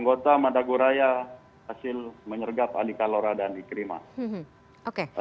oke ini bermula dari tanggal sepuluh terjadi pemunculan kelompok alikalora dan ikrimah kemudian